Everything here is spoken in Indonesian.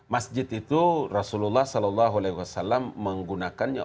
masjid itu rasulullah saw menggunakannya